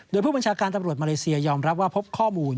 โดยผู้บัญชาการตำรวจมาเลเซียยอมรับว่าพบข้อมูล